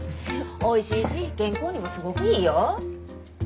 おいしいし健康にもすごくいいよ。